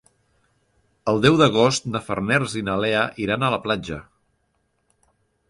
El deu d'agost na Farners i na Lea iran a la platja.